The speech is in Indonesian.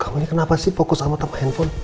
kamu ini kenapa sih fokus sama sama handphone